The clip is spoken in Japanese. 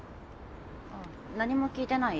あ何も聞いてない？